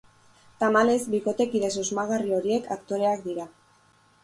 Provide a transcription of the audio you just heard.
Tamalez, bikotekide susmagarri horiek aktoreak dira.